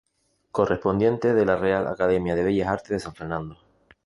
Correspondiente de la Real Academia de Bellas Artes de San Fernando.